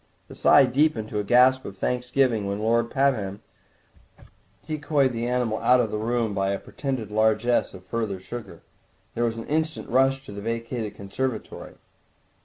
The sigh deepened to a gasp of thanks giving when Lord Pabham decoyed the animal out of the room by a pretended largesse of further sugar. There was an instant rush to the vacated conservatory.